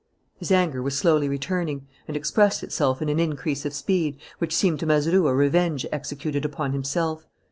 His anger was slowly returning and expressed itself in an increase of speed, which seemed to Mazeroux a revenge executed upon himself.